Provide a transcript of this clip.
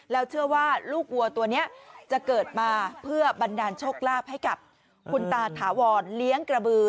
แล้วเชื่อว่าลูกวัวตัวนี้จะเกิดมาเพื่อบันดาลโชคลาภให้กับคุณตาถาวรเลี้ยงกระบือ